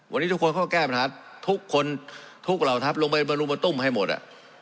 วันนี้ทุกคนเขาก็แก้ปัญหาทุกคนทุกเหล่าทัพลงไปบรุมมาตุ้มให้หมดอ่ะ